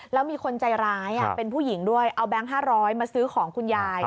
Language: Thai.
แล้วมีคนใจร้ายเป็นผู้หญิงด้วยเอาแก๊ง๕๐๐มาซื้อของคุณยาย